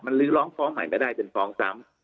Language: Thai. หรือร้องฟ้องใหม่ไม่ได้เป็นฟ้องซ้ำ